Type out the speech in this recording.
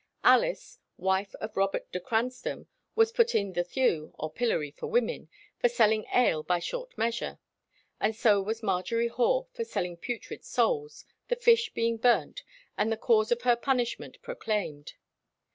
Alice, wife of Robert de Cranstom, was put in the "thew," or pillory for women, for selling ale by short measure; and so was Margery Hore for selling putrid soles, the fish being burnt, and the cause of her punishment proclaimed.